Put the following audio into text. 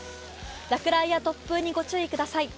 落雷や突風にご注意ください。